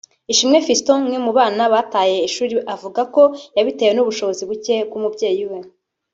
Ishimwe Fiston umwe mu bana bataye ishuri avuga ko yabitewe n’ubushobozi buke bw’umubyeyi we